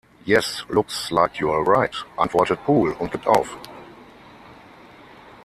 Yes, looks like you're right," antwortet Poole und gibt auf.